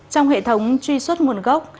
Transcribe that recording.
trong hệ thống truy xuất nguồn gốc